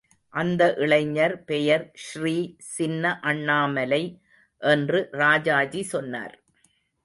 அந்த இளைஞர் பெயர் ஸ்ரீ சின்ன அண்ணாமலை என்று ராஜாஜி சொன்னார்.